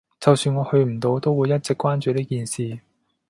就算我去唔到，都會一直關注呢件事